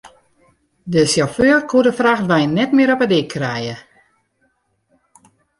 De sjauffeur koe de frachtwein net mear op de dyk krije.